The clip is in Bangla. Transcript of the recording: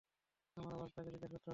আমার আবার কাকে জিজ্ঞেস করতে হবে?